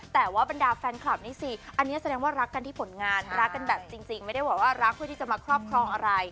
แต่ว่าบรรดาแฟนคลับนี่สิอันนี้แสดงว่ารักกันที่ผลงานรักกันแบบจริงไม่ได้บอกว่ารักเพื่อที่จะมาครอบครองอะไร